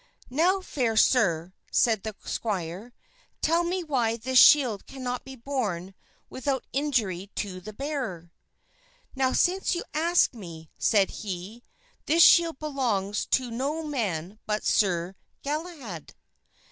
"Now, fair sir," said the squire, "tell me why this shield cannot be borne without injury to the bearer." "Now, since you ask me," said he, "this shield belongs to no man but Sir Galahad."